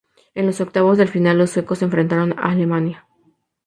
En los octavos de final, los suecos enfrentaron a Alemania.